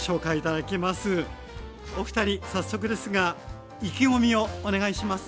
お二人早速ですが意気込みをお願いします。